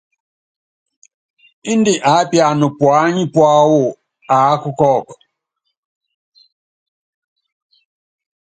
Índɛ aápiana puányi púawɔ, aáka kɔ́ɔku.